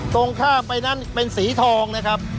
ตรงข้ามไปนั้นเป็นสีทองนะครับ